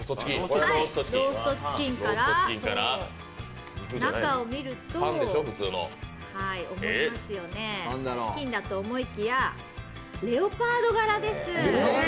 ローストチキンから中を見るとチキンだと思いきやレオパード柄です。